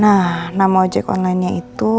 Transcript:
nah nama ojek onlinenya itu